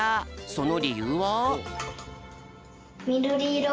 そのりゆうは？